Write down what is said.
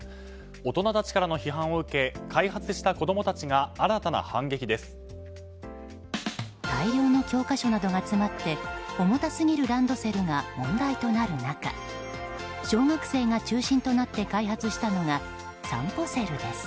大人たちからの批判を受け開発した子供たちが大量の教科書などが詰まって重たすぎるランドセルが問題となる中小学生が中心となって開発したのが、さんぽセルです。